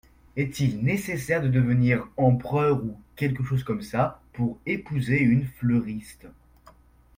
Est-il nécessaire de devenir empereur, ou quelque chose comme ça, pour épouser une fleuriste ?